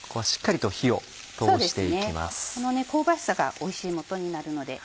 この香ばしさがおいしいもとになるので。